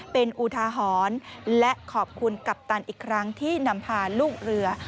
เป็นอุทาหรณ์และขอบคุณกัปตันอีกครั้งที่นำพาลูกเรือ